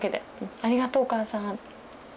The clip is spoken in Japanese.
「ありがとうお母さん」。